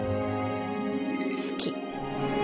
好き。